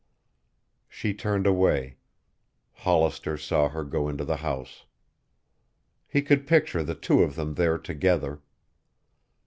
She turned away. Hollister saw her go into the house. He could picture the two of them there together.